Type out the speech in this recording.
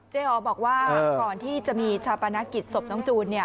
อ๋อบอกว่าก่อนที่จะมีชาปนกิจศพน้องจูน